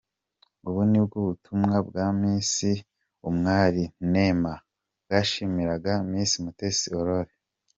Ubu nibwo butumwa bwa Miss Umwali Neema bwashimiraga Miss Mutesi Aurore.